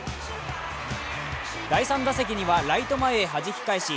第３打席にはライト前へはじき返し